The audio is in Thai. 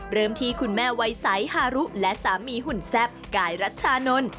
เริ่มที่คุณแม่วัยใสฮารุและสามีหุ่นแซ่บกายรัชชานนท์